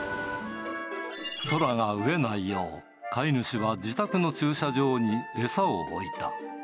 宙が飢えないよう、飼い主は自宅の駐車場に餌を置いた。